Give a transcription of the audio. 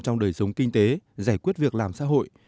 trong đời sống kinh tế giải quyết việc làm xã hội